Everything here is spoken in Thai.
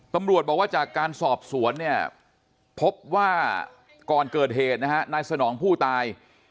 ตำรวจบอกว่าจากการสอบสวนเนี่ยพบว่าก่อนเกิดเหตุนะฮะนายสนองผู้ตาย